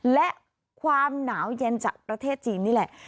และความหนาวเย็นจากประเทศจีนนี่แหละ